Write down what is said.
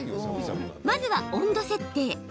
まずは温度設定。